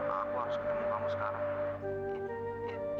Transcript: aku harus ketemu kamu sekarang